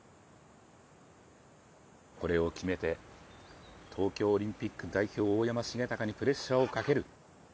これを決めて東京オリンピック代表、大山重隆にプレッシャーをかける。